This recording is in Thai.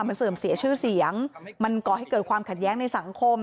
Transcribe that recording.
มันเสื่อมเสียชื่อเสียงมันก่อให้เกิดความขัดแย้งในสังคม